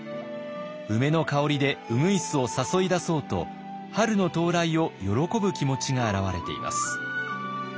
梅の香りで鶯を誘い出そうと春の到来を喜ぶ気持ちが表れています。